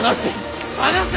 離せ！